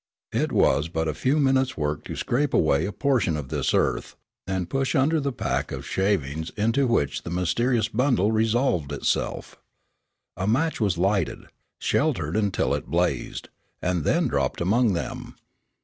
It was but a few minutes' work to scrape away a portion of this earth, and push under the pack of shavings into which the mysterious bundle resolved itself. A match was lighted, sheltered, until it blazed, and then dropped among them.